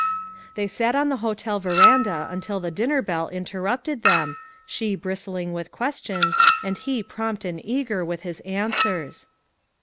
They sat on the hotel ver anda until the dinner bell interrupted them, she bristling with questions and he prompt and eager with his answers.